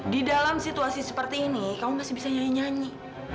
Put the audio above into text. di dalam situasi seperti ini kamu masih bisa nyanyi nyanyi